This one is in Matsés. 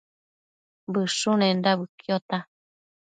Bëshunenda bëquiota